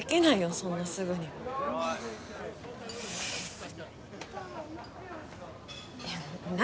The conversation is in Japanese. そんなすぐにいや何？